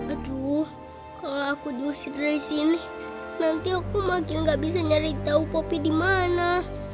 aduh kalau aku diusir dari sini nanti aku makin gak bisa nyari tahu kopi di mana